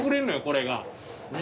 これが。